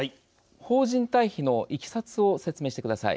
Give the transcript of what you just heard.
邦人退避のいきさつを説明してください。